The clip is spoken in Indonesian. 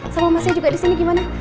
sama masnya juga disini gimana